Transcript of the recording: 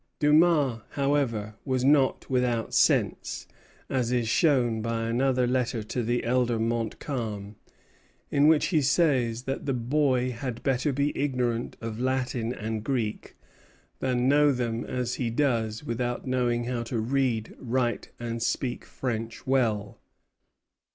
Dumas, however, was not without sense, as is shown by another letter to the elder Montcalm, in which he says that the boy had better be ignorant of Latin and Greek "than know them as he does without knowing how to read, write, and speak French well."